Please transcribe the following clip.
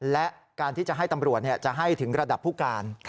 และการที่จะให้ตำรวจจะให้ถึงระดับผู้การ